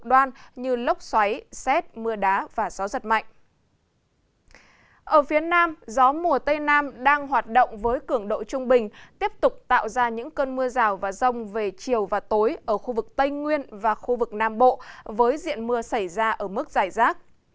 ở phía nam gió mùa tây nam đang hoạt động với cường độ trung bình tiếp tục tạo ra những cơn mưa rào và rông về chiều và tối ở khu vực tây nguyên và khu vực nam bộ với diện mưa xảy ra ở mức dài rác